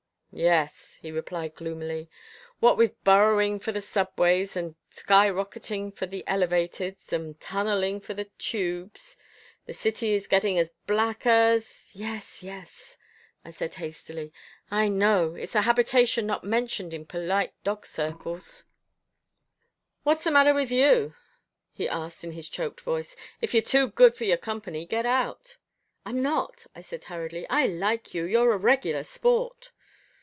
"Yes," he replied gloomily, "what with burrowing for the subways, and sky rocketing for the elevateds, and tunnelling for the tubes, the city is getting to be as black as " "Yes, yes," I said hastily. "I know it's a habitation not mentioned in polite dog circles." "What's the matter with you?" he asked in his choked voice. "If you're too good for your company, get out." "I'm not," I said hurriedly. "I like you. You're a regular sport."